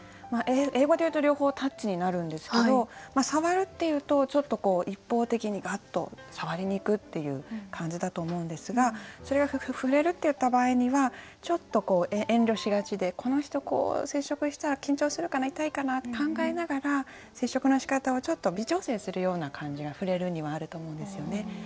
英語で言うと両方「タッチ」になるんですけど「さわる」って言うとちょっとこう一方的にガッとさわりにいくっていう感じだと思うんですがそれが「ふれる」って言った場合にはちょっとこう遠慮しがちでこの人こう接触したら緊張するかな痛いかなって考えながら接触のしかたをちょっと微調整するような感じが「ふれる」にはあると思うんですよね。